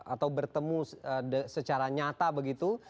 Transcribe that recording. atau bertemu secara nyata begitu